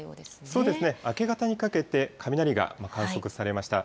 そうですね、明け方にかけて、雷が観測されました。